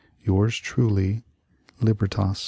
Yours truly, Libebtas.